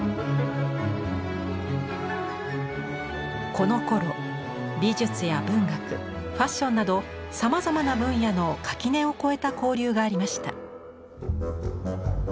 このころ美術や文学ファッションなどさまざまな分野の垣根を越えた交流がありました。